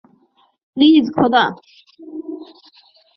Please, খোদা।